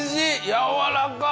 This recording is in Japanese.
やわらか！